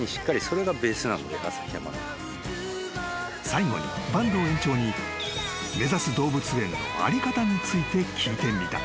［最後に坂東園長に目指す動物園の在り方について聞いてみた］